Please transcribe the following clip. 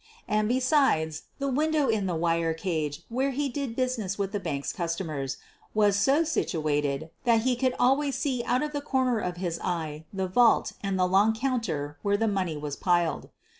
And, besides, the window in the wire cage where he did business with the bank's customers was so situated that he could always see out of the corner of his eye the vault and the long counter where the money was piled.